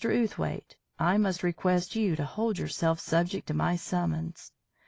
Outhwaite, I must request you to hold yourself subject to my summons.